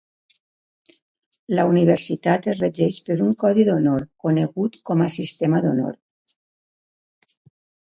La universitat es regeix per un codi d'honor, conegut com a Sistema d'Honor.